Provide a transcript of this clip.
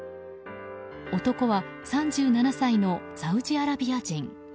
男は３７歳のサウジアラビア人。